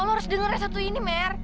lo harus dengerin satu ini mer